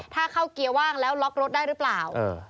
ถ้าเข้าเกียร์ว่างแล้วล็อกรถได้หรือเปล่า